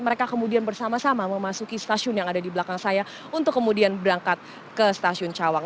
mereka kemudian bersama sama memasuki stasiun yang ada di belakang saya untuk kemudian berangkat ke stasiun cawang